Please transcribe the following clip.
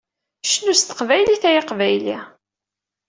Cnu s teqbaylit ay aqbayli!